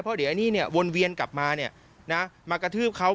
เพราะเดี๋ยวไอ้นี่เนี่ยวนเวียนกลับมามากระทืบเขา